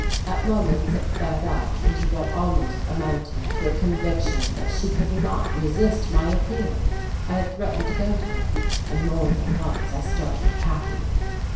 At moments it flared up into what almost amounted to a conviction that she could not resist my appeal. I had threatened to go to her, and more than once I started packing....